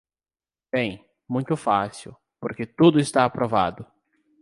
Bem, muito fácil: porque tudo está aprovado!